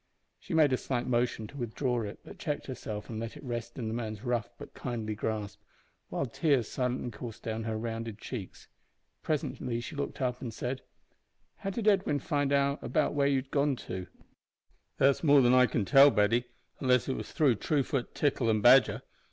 She made a slight motion to withdraw it, but checked herself and let it rest in the man's rough but kindly grasp, while tears silently coursed down her rounded cheeks. Presently she looked up and said "How did Edwin find out where you had gone to?" "That's more than I can tell, Betty, unless it was through Truefoot, Tickle, and Badger.